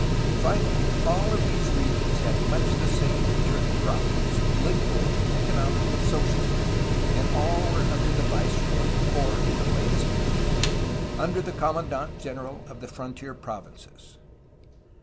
Finally, all of these regions had much the same internal problems, poU tical, economic, and social, and all were under the viceroy, or, in the latest period, under the commandant general of the frontier provinces.